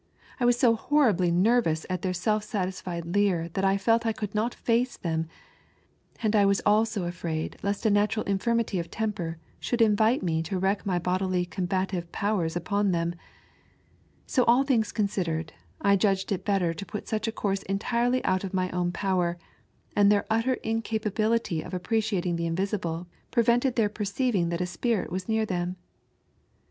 I was so horribly nervous at their aelf satis&ed leer that I felt I could not face them, and I was also afraid lest a natural infirmity of temper should invite me to wreak my bodily combative powers npoD them. So all things coDHidered, I judged it better to put such a course entirety out of my own power, and their utter incapability of appreciating the invisible prevented their perceiving that a spirit waa near them.